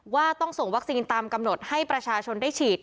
ว่าต้องส่งวัคซีนตามกำหนดให้ประชาชนได้ฉีด